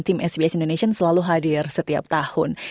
tim sbs indonesian selalu hadir setiap tahun